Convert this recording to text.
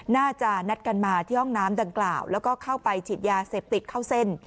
น่าจะนัดกันมาที่ห้องน้ำดังกล่าวแล้วก็เข้าไปฉีดยาเสพติดเข้าเส้น